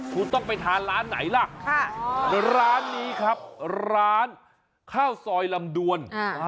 คุณต้องไปทานร้านไหนล่ะร้านนี้ครับร้านข้าวซอยลำดวน